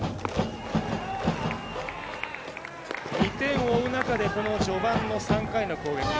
２点を追う中で序盤の３回の攻撃。